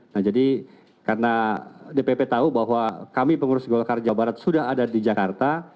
nah jadi karena dpp tahu bahwa kami pengurus golkar jawa barat sudah ada di jakarta